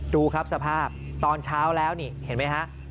ดูครับสภาพตอนเช้าแล้วนี่เห็นไหมฮะ